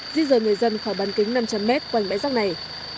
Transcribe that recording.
di dời người dân khỏi bán kính năm trăm linh m quanh bãi rác này